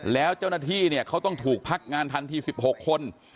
แล้วเจ้าหน้าที่เนี่ยเขาต้องถูกพักงานทันที๑๖คน